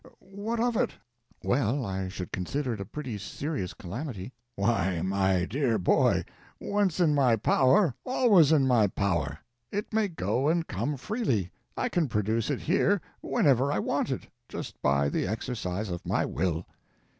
What of it?" "Well, I should consider it a pretty serious calamity." "Why, my dear boy, once in my power, always in my power. It may go and come freely. I can produce it here whenever I want it, just by the exercise of my will."